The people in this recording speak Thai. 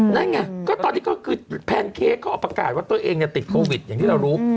นั่นไงก็ตอนนี้ก็คือแพนเค้กเขาออกประกาศว่าตัวเองติดโควิดอย่างที่เรารู้